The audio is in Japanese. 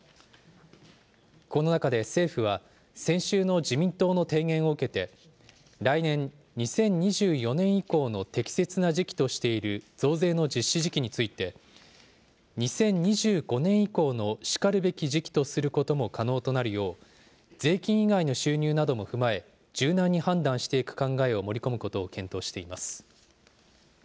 この中で政府は、先週の自民党の提言を受けて、来年・２０２４年以降の適切な時期としている増税の実施時期について、２０２５年以降のしかるべき時期とすることも可能となるよう、税金以外の収入なども踏まえ、柔軟に判断していく考えを盛り込むことを検討しています。